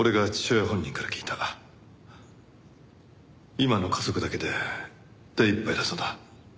今の家族だけで手いっぱいだそうだ。